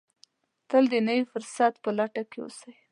تل د نوي فرصت په لټه کې اوسئ.